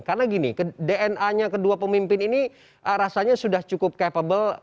karena gini dna nya kedua pemimpin ini rasanya sudah cukup capable